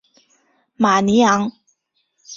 马尼昂。